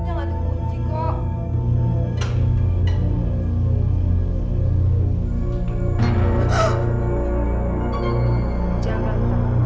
bagaimana kita bisa keluar dari kamar